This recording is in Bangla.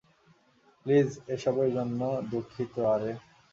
প্লিজ এসবের জন্য দুঃখিত আরে।